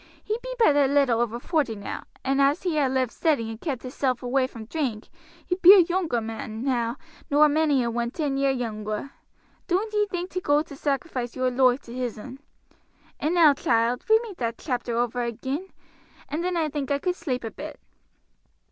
He be but a little over forty now; and as he ha' lived steady and kept hisself away from drink, he be a yoonger man now nor many a one ten year yoonger. Don't ye think to go to sacrifice your loife to hissen. And now, child, read me that chapter over agin, and then I think I could sleep a bit."